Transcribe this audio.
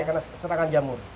ya karena serangan jamur